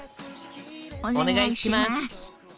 お願いします。